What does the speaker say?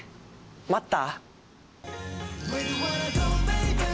待った？